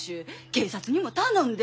警察にも頼んで！